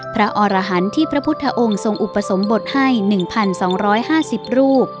อรหันต์ที่พระพุทธองค์ทรงอุปสมบทให้๑๒๕๐รูป